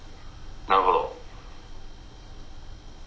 「なるほど」。